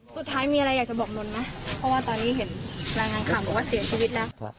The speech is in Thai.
สุดท้ายมีอะไรอยากจะบอกนนท์ไหมเพราะว่าตอนนี้เห็นรายงานข่าวบอกว่าเสียชีวิตแล้ว